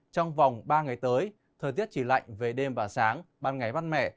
trong vòng ba ngày tới thời tiết chỉ lạnh về đêm và sáng ban ngày văn mẻ